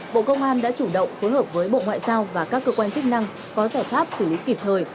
bộ công an đã chủ động phối hợp với bộ ngoại giao và các cơ quan chức năng có giải pháp xử lý kịp thời